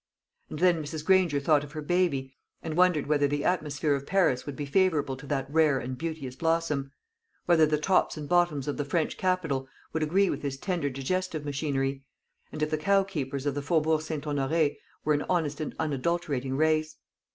And then Mrs. Granger thought of her baby, and wondered whether the atmosphere of Paris would be favourable to that rare and beauteous blossom; whether the tops and bottoms of the French capital would agree with his tender digestive machinery, and if the cowkeepers of the Faubourg St. Honoré were an honest and unadulterating race.